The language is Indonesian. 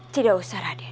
tidak usah raden